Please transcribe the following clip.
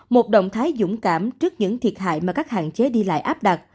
một động thái dũng cảm trước những thiệt hại mà các hạn chế đi lại áp đặt